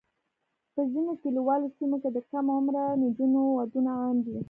په ځینو کلیوالي سیمو کې د کم عمره نجونو ودونه عام دي.